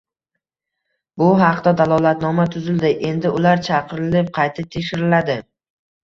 Bu haqda dalolatnoma tuzildi, endi ular chaqirilib, qayta tekshiriladi